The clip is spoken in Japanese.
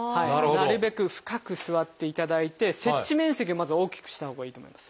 なるべく深く座っていただいて接地面積をまず大きくしたほうがいいと思います。